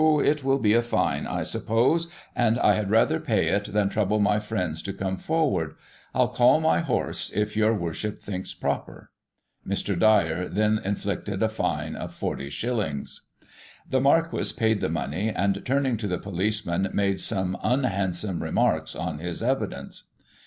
It will be a fine, I suppose, and I had rather pay it than trouble my friends to come forward I'll call my horse, if your Worship thinks proper. Mr. Dyer then inflicted a fine of 40s. The Marquis paid the money, and, turning to the police man, made some unhandsome remarks on his evidence.